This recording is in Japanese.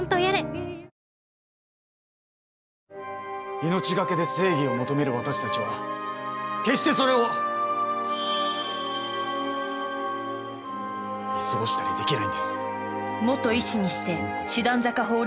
命懸けで正義を求める私たちは決してそれを見過ごしたりできないんです。